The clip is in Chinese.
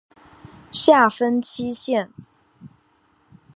下分七县。